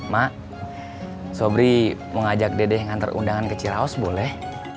mak sobri mau ngajak dede ngantar undangan ke ciraus boleh